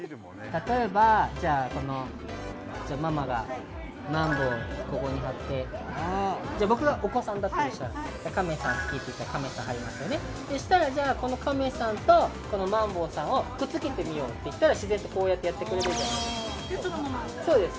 例えばじゃあこのじゃママがマンボウをここに貼ってじゃ僕がお子さんだとしたらカメさん好きっていったらカメさん貼りますよねそしたらこのカメさんとこのマンボウさんをくっつけてみようっていったら自然とこうやってやってくれるじゃないですかでそのままそうです